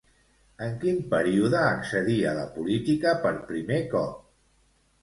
En quin període accedí a la política per primer cop?